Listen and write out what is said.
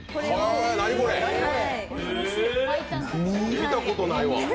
何これ、見たことないわ！